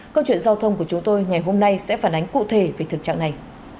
câu chuyện giao thông của chúng tôi ngày hôm nay sẽ phản ánh cụ thể về thực trạng này